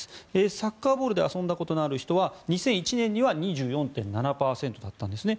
サッカーボールで遊んだことのある人は２００１年には２４．７％だったんですね。